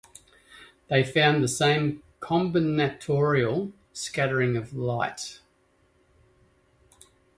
They found the same combinatorial scattering of light.